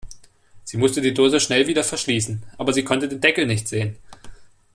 Sie musste die Dose schnell wieder verschließen, aber sie konnte den Deckel nicht sehen.